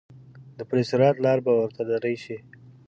د پل صراط لاره به ورته نرۍ شي.